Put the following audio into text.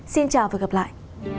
xin chào và hẹn gặp lại